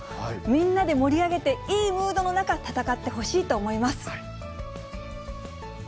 みんなで盛り上げて、いいムードの中、戦ってほしいと思います。